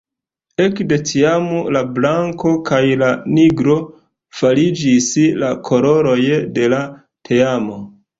Ekde tiam la blanko kaj la nigro fariĝis la koloroj de la teamo.